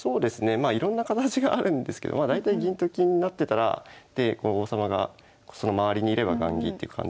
まあいろんな形があるんですけど大体銀と金になってたらで王様がその周りにいれば雁木って感じで。